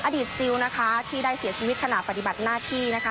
ซิลนะคะที่ได้เสียชีวิตขณะปฏิบัติหน้าที่นะคะ